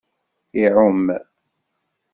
Iɛum.